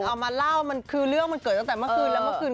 เอามาเล่าคือเรื่องมันเกิดตั้งแต่เมื่อคืน